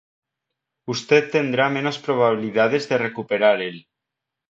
usted tendrá menos probabilidades de recuperar el